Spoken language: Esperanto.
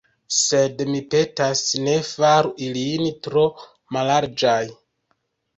Sed, mi petas, ne faru ilin tro mallarĝaj.